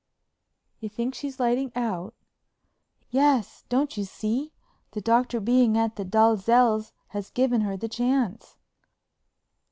"You think she's lighting out?" "Yes—don't you see, the Doctor being at the Dalzells' has given her the chance."